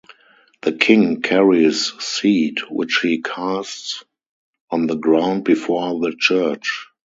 The king carries seed which he casts on the ground before the church.